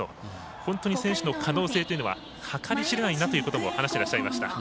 本当に選手の可能性というのは計り知れないなということを話してらっしゃいました。